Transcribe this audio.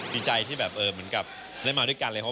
ดีใจที่แบบเหมือนกับได้มาด้วยกันเลย